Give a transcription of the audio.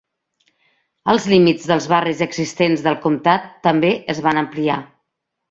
Els límits dels barris existents del comtat també es van ampliar.